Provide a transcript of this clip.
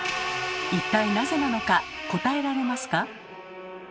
一体なぜなのか答えられますか？